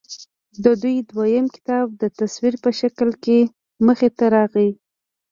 د دوي دويم کتاب د تصوير پۀ شکل کښې مخې ته راغے